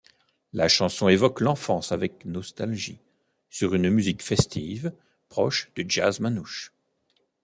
La chanson évoque l'enfance avec nostalgie sur une musique festive, proche du jazz manouche.